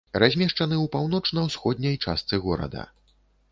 Размешчаны ў паўночна-ўсходняй частцы горада.